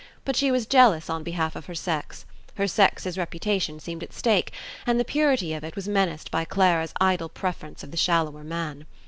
But she was jealous on behalf of her sex: her sex's reputation seemed at stake, and the purity of it was menaced by Clara's idle preference of the shallower man.